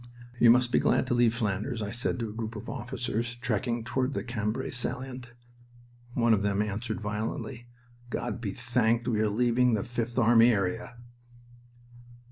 "You must be glad to leave Flanders," I said to a group of officers trekking toward the Cambrai salient. One of them answered, violently: "God be thanked we are leaving the Fifth Army area!"